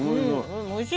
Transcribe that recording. おいしい。